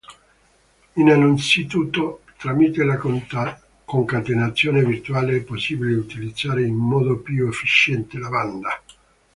Innanzitutto, tramite la concatenazione virtuale è possibile utilizzare in modo più efficiente la banda.